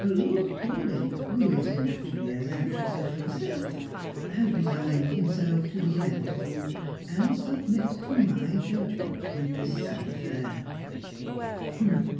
Lord Paulyn, who is na, turally as anxious as yourself, has resigned himself to the inevitable, and submits to my judgment in this sad affair."